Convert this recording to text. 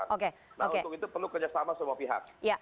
nah untuk itu perlu kerjasama semua pihak